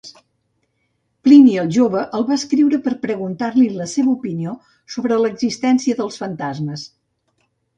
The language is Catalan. Plini el Jove el va escriure per preguntar-li la seva opinió sobre l'existència dels fantasmes.